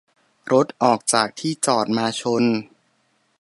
- รถออกจากที่จอดมาชน